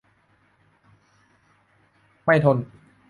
ไม่ทน